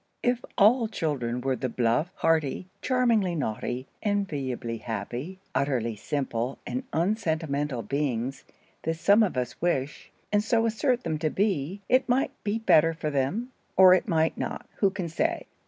If all children were the bluff, hearty, charmingly naughty, enviably happy, utterly simple and unsentimental beings that some of us wish, and so assert them to be, it might be better for them, or it might not—who can say?